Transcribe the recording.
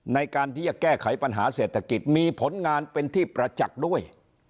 ในการที่จะแก้ไขปัญหาเศรษฐกิจมีผลงานเป็นที่ประจักษ์ด้วย